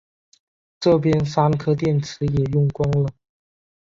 这边三颗电池也用光了